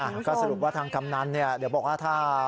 ก็สรุปว่าทางกำนันเนี่ยเดี๋ยวบอกว่าถ้า